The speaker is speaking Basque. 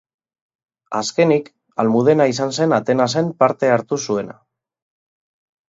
Azkenik, Almudena izan zen Atenasen parte hartu zuena.